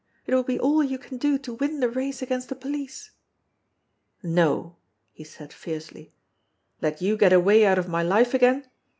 It will be all you can do to win the race againsi the police." "No !" he said fiercely. "Let you get away out of my litv again?